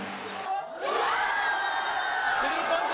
スリーポイント